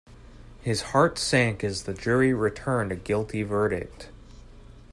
His heart sank as the jury returned a guilty verdict.